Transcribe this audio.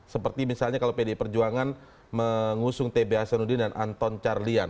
seperti misalnya kalau pdi perjuangan mengusung t b hasanuddin dan anton carlyan